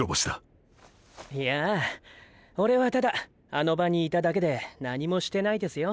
いやぁオレはただあの場にいただけで何もしてないですよ？